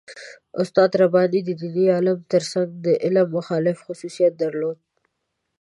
استاد رباني د دیني عالم تر څنګ د علم مخالف خصوصیت درلود.